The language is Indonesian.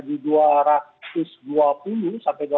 di dua ratus dua puluh sampai dua ratus tiga puluh